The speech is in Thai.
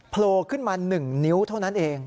โผล่ขึ้นมา๑นิ้วเท่านั้นเอง